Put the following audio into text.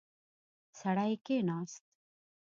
سړی کېناست.